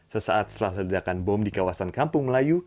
sesaat setelah ledakan bom di kawasan kampung melayu